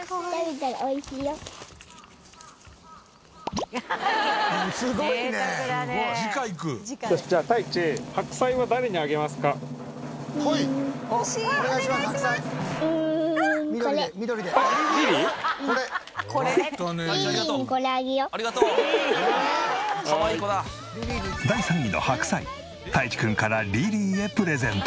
たいちくんからリリーへプレゼント。